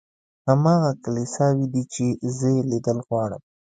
هماغه کلیساوې دي چې زه یې لیدل غواړم.